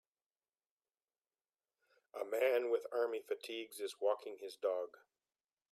A man with army fatigues is walking his dog